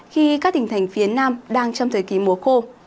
khi các tỉnh thành phía nam đang trong thời kỳ mùa khô